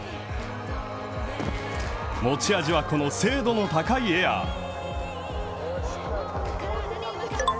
持ち味はこの精度の高いエアー。